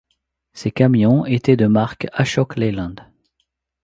Ces camions étaient de marque Ashok Leyland.